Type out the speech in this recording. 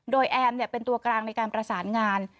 โดยแอมเป็นตัวกลางในการประสานงาน